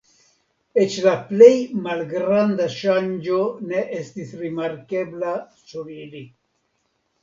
Eĉ la plej malgranda ŝanĝo ne estis rimarkebla sur ili.